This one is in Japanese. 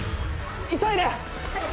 急いで！